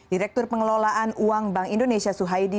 direktur pengelolaan uang bank indonesia suhaidi